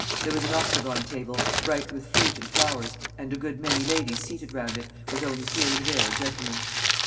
There was an octagon table, bright with fruit and flowers, and a good many ladies seated round it, with only here and there a gentleman.